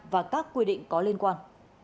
và các quy định có liên quan